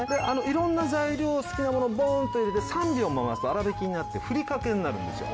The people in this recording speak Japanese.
色んな材料好きなものボーンと入れて３秒回すと粗びきになってふりかけになるんですよ。